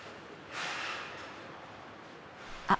あっ！